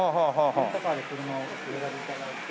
レンタカーで車をお選び頂いて。